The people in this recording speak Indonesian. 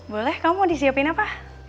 boleh kamu mau disiapkan apa